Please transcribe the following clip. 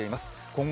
今後。